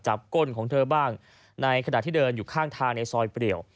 ก้นของเธอบ้างในขณะที่เดินอยู่ข้างทางในซอยเปรียว